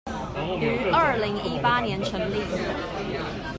於二零一八年成立